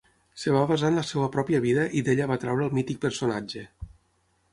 Es va basar en la seva pròpia vida i d'ella va treure al mític personatge.